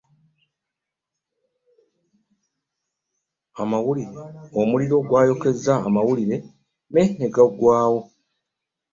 Omuliro gwayokezza amawulire me gaggwawo.